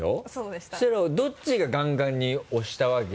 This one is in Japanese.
そしたらどっちがガンガンに押したわけ？